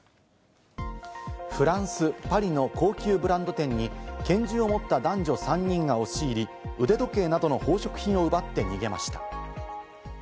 フランス・パリの高級ブランド店に拳銃を持った男女３人が押し入り、腕時計などの宝飾品を奪って逃げました。